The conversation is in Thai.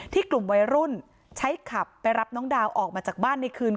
กลุ่มวัยรุ่นใช้ขับไปรับน้องดาวออกมาจากบ้านในคืน